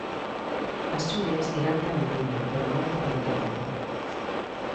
As chuvias irán remitindo, pero non por moito tempo.